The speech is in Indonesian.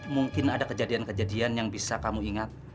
mungkin ada kejadian kejadian yang bisa kamu ingat